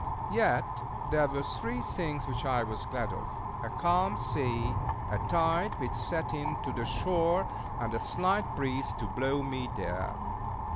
Yet there were three things which I was glad of; a calm sea, a tide which set in to the shore, and a slight breeze to blow me there.